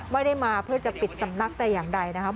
ไม่ได้มาเพื่อจะปิดสำนักแต่อย่างใดนะครับ